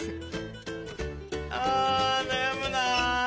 あなやむな。